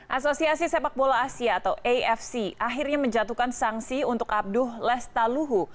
asosiasi sepak bola asia atau afc akhirnya menjatuhkan sanksi untuk abduh lestaluhu